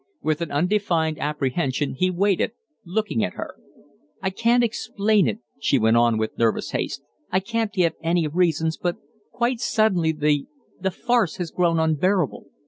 With an undefined apprehension he waited, looking at her. "I can't explain it," she went on with nervous haste, "I can't give any reasons, but quite suddenly the the farce has grown unbearable.